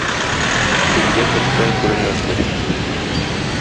Күзгә төртсәң күренмәслек.